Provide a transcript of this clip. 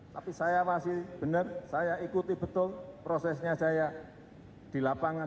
tapi saya masih benar saya ikuti betul prosesnya saya di lapangan